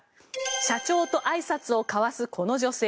社長とあいさつを交わすこの女性。